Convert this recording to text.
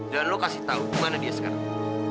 dan lo kasih tahu mana dia sekarang